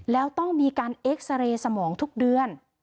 แล้วต้องมีการเอ็กซาเรย์สมองทุกเดือน